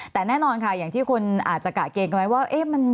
แต่แน่นอนค่ะอย่างที่คนอาจจะกะเกณฑ์กันไว้ว่า